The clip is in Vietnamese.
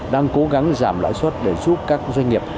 đang cố gắng giảm lãi suất để giúp các doanh nghiệp